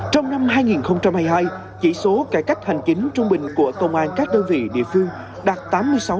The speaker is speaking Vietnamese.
trong năm hai nghìn hai mươi hai chỉ số cải cách hành chính trung bình của công an các đơn vị địa phương đạt tám mươi sáu